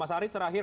mas haris terakhir